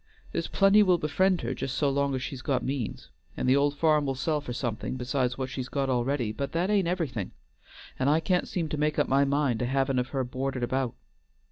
There's plenty will befriend her just so long as she's got means, and the old farm will sell for something besides what she's got already, but that ain't everything, and I can't seem to make up my mind to havin' of her boarded about.